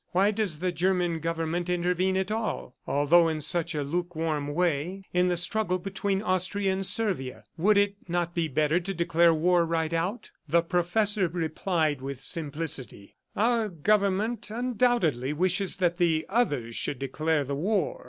Why does the German government intervene at all although in such a lukewarm way in the struggle between Austria and Servia. ... Would it not be better to declare war right out?" The professor replied with simplicity: "Our government undoubtedly wishes that the others should declare the war.